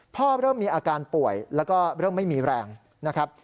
เริ่มมีอาการป่วยแล้วก็เริ่มไม่มีแรงนะครับ